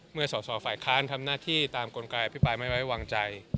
สอสอฝ่ายค้านทำหน้าที่ตามกลไกอภิปรายไม่ไว้วางใจ